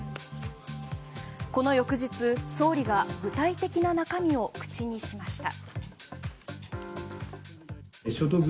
この翌日、総理が具体的な中身を口にしました。